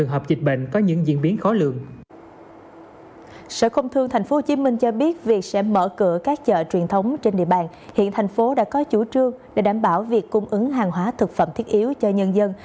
hiện thành phố đã có chủ trương để đảm bảo việc cung ứng hàng hóa thực phẩm thiết yếu cho nhân dân